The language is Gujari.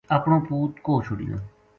اپنو پوت کوہ چھوڈیو